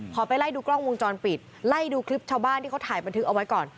ไปไล่ดูกล้องวงจรปิดไล่ดูคลิปชาวบ้านที่เขาถ่ายบันทึกเอาไว้ก่อน